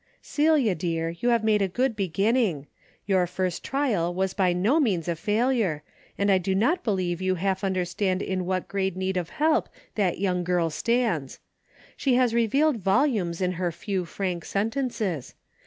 " Celia, dear, you have made a good begin ning. Your first trial was by no means a fail ure, and I do not believe you half understand in what great need of help that young girl stands. She has revealed volumes in her few frank sentences.